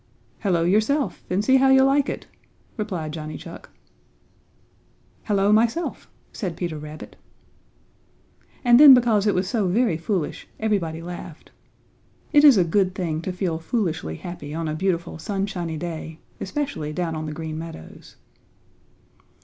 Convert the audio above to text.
"Hello yourself, and see how you like it!" replied Johnny Chuck. "Hello myself!" said Peter Rabbit. And then because it was so very foolish everybody laughed. It is a good thing to feel foolishly happy on a beautiful sunshiny day, especially down on the Green Meadows.